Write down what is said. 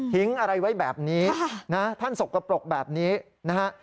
ทิ้งอะไรไว้แบบนี้ท่านสกปรกแบบนี้นะฮะค่ะค่ะ